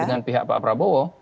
dengan pihak pak prabowo